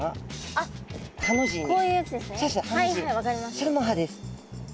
それも歯です。